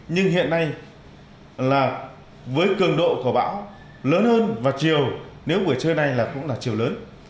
nhưng hiện nay là với cường độ của bão lớn hơn vào chiều nếu buổi trưa nay là cũng là chiều lớn